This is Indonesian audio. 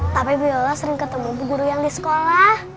tapi bu yola sering ketemu bu guru yang di sekolah